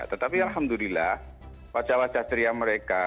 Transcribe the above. tetapi alhamdulillah wajah wajah ceria mereka